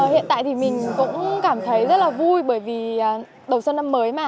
hiện tại thì mình cũng cảm thấy rất là vui bởi vì đầu xuân năm mới